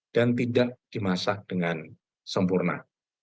dan tidak dimasak dengan sempurna